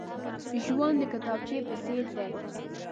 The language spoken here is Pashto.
ژوند د کتابچې په څېر دی.